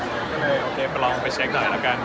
ก็เลยโอเคไปลองไปเช็คหน่อยแล้วกัน